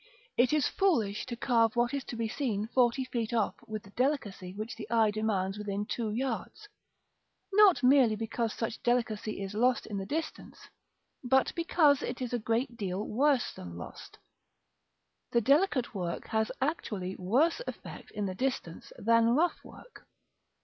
It is foolish to carve what is to be seen forty feet off with the delicacy which the eye demands within two yards; not merely because such delicacy is lost in the distance, but because it is a great deal worse than lost: the delicate work has actually worse effect in the distance than rough work.